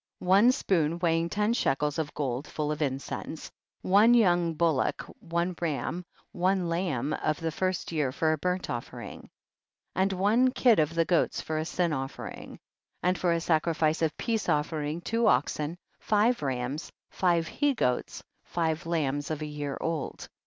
10. One spoon, weighing ten she kels of gold, full of incense. 11. One young bullock, one ram, one lamb of the first year for a burnt offering, 1 2. And one kid of the goats for a sin offering. 13. And for a sacrifice of peace offering, two oxen, five rams, five he goats, five lambs of a year old.